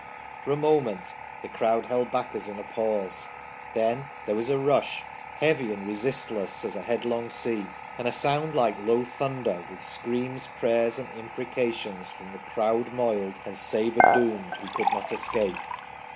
' For a moment the crowd held back as in a pause ; then there was a rush, heavy and resistless as a headlong sea, and a sound like low thunder, with screams, prayers, and imprecations from the crowd moiled, and sabre doomed, who could not escape."